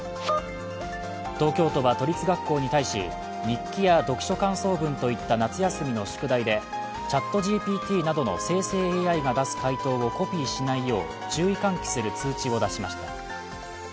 東京都は都立学校に対し日記や読書感想文といった夏休みの宿題でＣｈａｔＧＰＴなどの生成ＡＩが出す回答をコピーしないよう注意喚起する通知を出しました。